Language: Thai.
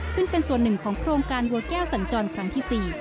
ซึ่งเป็นส่วนหนึ่งของโครงการบัวแก้วสัญจรครั้งที่๔